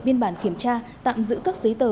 biên bản kiểm tra tạm giữ các giấy tờ